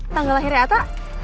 tanggal lahirnya ata